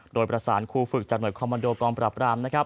โดยประสานครูฝึกจากหน่วยคอมมันโดกองปราบรามนะครับ